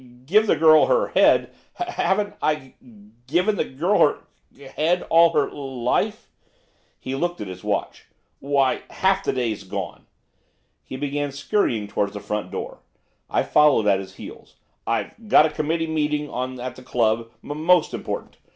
'Give the girl her head! H haven't I I g given the g girl her h head all her l life!' He looked at his watch. 'Why, the day's half gone!' He began scurrying towards the front door, I following at his heels. 'I've got a committee meeting on at the club, m most important!